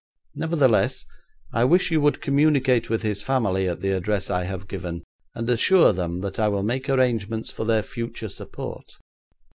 Nevertheless, I wish you would communicate with his family at the address I have given, and assure them that I will make arrangements for their future support.